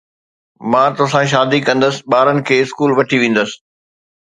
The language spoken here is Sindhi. مان توسان شادي ڪندس، ٻارن کي اسڪول وٺي ويندس